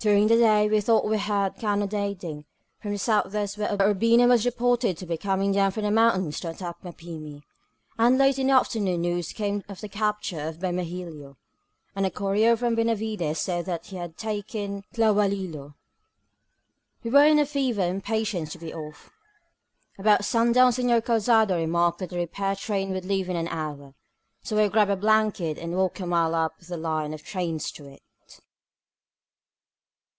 During the day we thought we heard cannonading from the southwest^ where Urbina was reported to be coming down from the mountains to attack Mapimi. And late in the after noon news came of the capture of Bermejillo, and a courier from Benavides said that he had taken Tla hualilo. We were in a fever of impatience to be off. About sundown Senor Calzado remarked that the repair train would leave in an hour, so I grabbed a blanket and walked a mile up the line of trains to it.